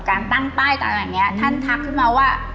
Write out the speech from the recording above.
การตั้งป้ายต่างเนี่ยท่านทักขึ้นมาว่า